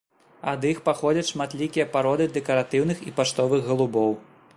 Ад іх паходзяць шматлікія пароды дэкаратыўных і паштовых галубоў.